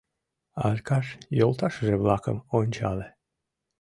— Аркаш йолташыже-влакым ончале.